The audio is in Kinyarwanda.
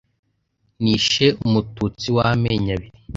nishe umututsi w'amenyo abiri